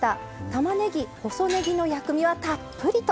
たまねぎ、細ねぎの薬味はたっぷりと。